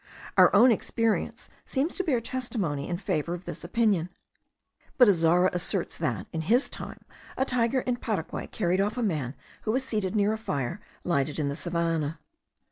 Our own experience seems to bear testimony in favour of this opinion; but Azara asserts that, in his time, a tiger in Paraguay carried off a man who was seated near a fire lighted in the savannah.